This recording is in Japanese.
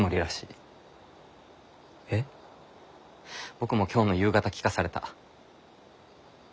僕も今日の夕方聞かされた。